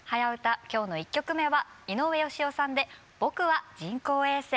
今日の１曲目は井上芳雄さんで「ぼくは人工衛星」。